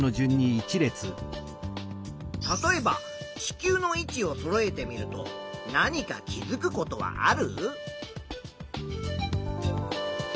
例えば地球の位置をそろえてみると何か気づくことはある？